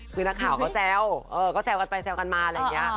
คือนักข่าวก็แซวก็แซวกันไปแซวกันมาอะไรอย่างนี้